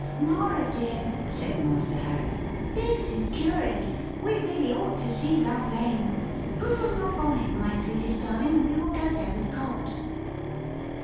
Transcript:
"Norah, dear," said Master Harry, "this is curious. We really ought to see Love Lane. Put on your bonnet, my sweetest darling, and we will go there with Cobbs."